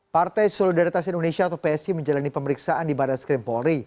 partai solidaritas indonesia atau psi menjalani pemeriksaan di barat skrim polri